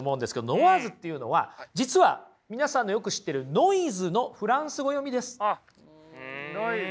ノワーズっていうのは実は皆さんのよく知ってる「ノイズ」のフランス語読みです。